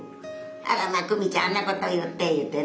あらまあ久美ちゃんあんなこと言っていうてね。